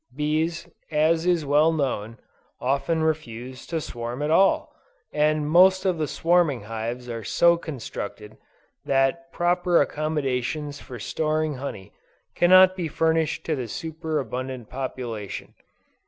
Bees, as is well known, often refuse to swarm at all, and most of the swarming hives are so constructed, that proper accommodations for storing honey, cannot be furnished to the super abundant population.